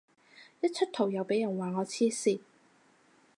一出圖又俾人話我黐線